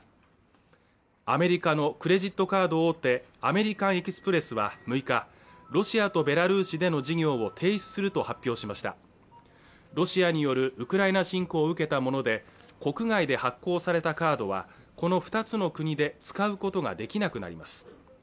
アメリカのクレジットカード大手アメリカン・エキスプレスは６日ロシアとベラルーシでの事業を提出すると発表しましたロシアによるウクライナ侵攻を受けたもので国内で発行されたカードはこの２つの国で使うことができなくなります